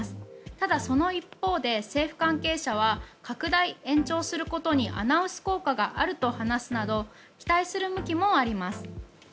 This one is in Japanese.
ただ、その一方で政府関係者は拡大・延長することにアナウンス効果があると話すなど期待する向きもあります。